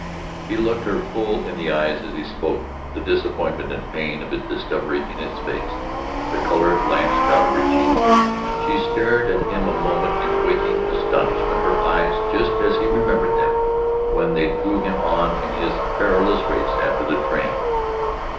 He looked her full in the eyes as he spoke, the disappointment and pain of his discovery in his face. The color blanched out of her cheeks, she stared at him a moment in waking astonishment, her eyes just as he remembered them when they drew him on in his perilous race after the train.